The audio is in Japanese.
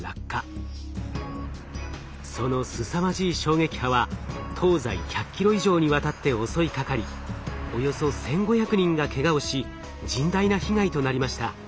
そのすさまじい衝撃波は東西１００キロ以上にわたって襲いかかりおよそ１，５００人がけがをし甚大な被害となりました。